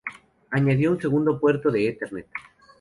Añadió un segundo puerto de Ethernet.